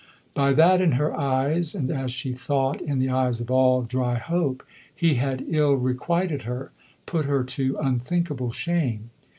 By that in her eyes (and as she thought, in the eyes of all Dryhope) he had ill requited her, put her to unthinkable shame.